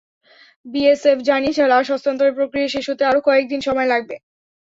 BSF জানিয়েছে লাশ হস্তান্তরের প্রক্রিয়া শেষ হতে আরও কয়েক দিন সময় লাগবে।